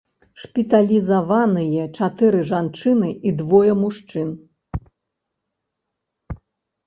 Шпіталізаваныя чатыры жанчыны і двое мужчын.